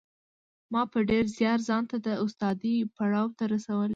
ما په ډېر زیار ځان د استادۍ پړاو ته رسولی